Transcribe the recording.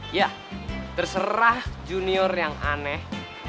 ya terserah junior yang aneh